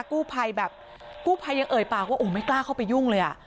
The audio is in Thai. กู้ภัยแบบกู้ภัยยังเอ่ยปากว่าโอ้ไม่กล้าเข้าไปยุ่งเลยอ่ะ